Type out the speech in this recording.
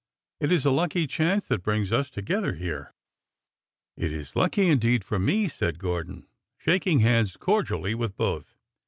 It is a lucky chance that brings us together here !" It is lucky indeed for me," said Gordon, shaking hands cordially with both.